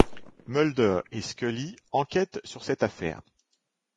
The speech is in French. Mulder et Scully enquêtent sur cette affaire.